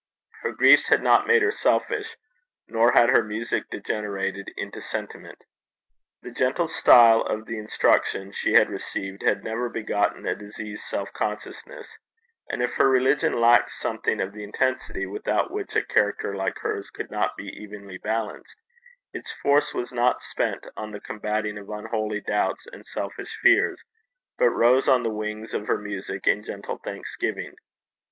Her griefs had not made her selfish, nor had her music degenerated into sentiment. The gentle style of the instruction she had received had never begotten a diseased self consciousness; and if her religion lacked something of the intensity without which a character like hers could not be evenly balanced, its force was not spent on the combating of unholy doubts and selfish fears, but rose on the wings of her music in gentle thanksgiving.